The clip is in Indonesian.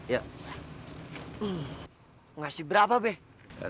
mau ngasih berapa be